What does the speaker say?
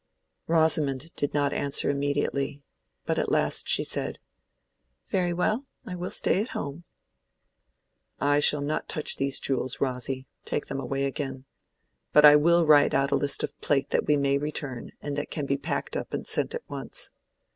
Rosamond did not answer immediately, but at last she said, "Very well, I will stay at home." "I shall not touch these jewels, Rosy. Take them away again. But I will write out a list of plate that we may return, and that can be packed up and sent at once."